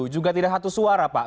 juga tidak satu suara pak